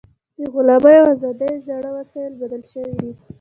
د غلامۍ او ازادۍ زاړه وسایل بدل شوي دي.